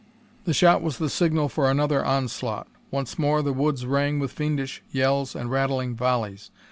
The shot was the signal for another onslaught. Once more the woods rang with fiendish yells and rattling volleys.